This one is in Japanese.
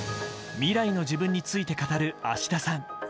未来の自分について語る芦田さん。